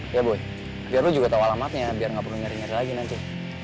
iya boy biar lo juga tau alamatnya biar gak perlu nyari nyari lagi nanti